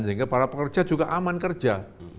sehingga para pekerja juga aman kerja